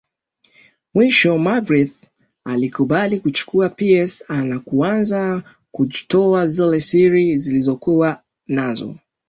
Mwisho Magreth alikubali kuchukua pes ana kuanza kjutoa zile siri lizokuwa nazo